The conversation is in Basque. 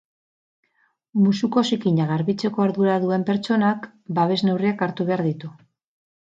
Musuko zikinak garbitzeko ardura duen pertsonak babes neurriak hartu behar ditu.